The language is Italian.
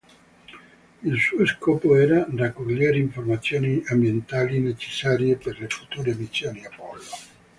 Il suo scopo era raccogliere informazioni ambientali necessarie per le future missioni Apollo.